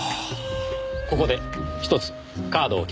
ここでひとつカードを切りましょう。